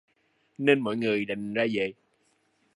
Nên mọi người đành ra về